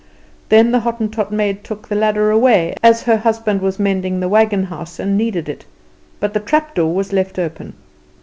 Then the Hottentot maid took the ladder away, as her husband was mending the wagon house, and needed it; but the trap door was left open.